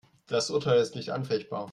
Das Urteil ist nicht anfechtbar.